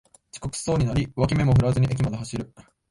遅刻しそうになり脇目も振らずに駅まで走る